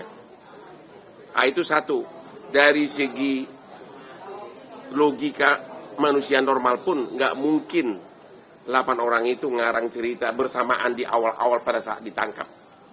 nah itu satu dari segi logika manusia normal pun nggak mungkin delapan orang itu ngarang cerita bersamaan di awal awal pada saat ditangkap